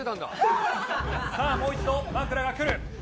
さあもう一度枕が来る。